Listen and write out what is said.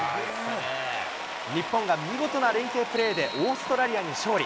日本が見事な連係プレーで、オーストラリアに勝利。